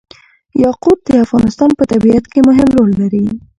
یاقوت د افغانستان په طبیعت کې مهم رول لري.